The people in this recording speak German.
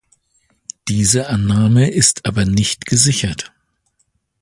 Diese Annahme ist aber nicht gesichert.